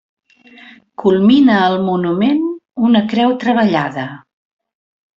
Culmina el monument una creu treballada.